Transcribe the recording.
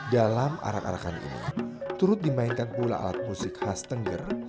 dalam arak arakan ini turut dimainkan pula alat musik khas tengger